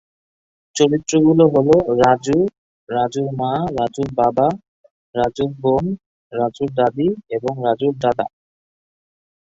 চরিত্রগুলো হল, রাজু, রাজুর মা, রাজুর বাবা, রাজুর বোন, রাজুর দাদী এবং রাজুর দাদা।